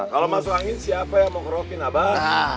kalau masuk angin siapa yang mau kerokin abah